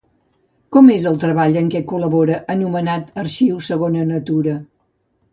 Com és el treball en què col·labora, anomenat Arxiu Segona natura?